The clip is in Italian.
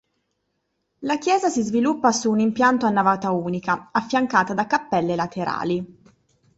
La chiesa si sviluppa su un impianto a navata unica, affiancata da cappelle laterali.